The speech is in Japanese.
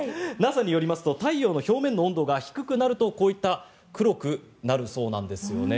ＮＡＳＡによりますと太陽の表面の温度が低くなるとこういった黒くなるそうなんですよね。